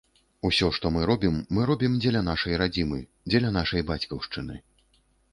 Усё, што мы робім, мы робім дзеля нашай радзімы, дзеля нашай бацькаўшчыны.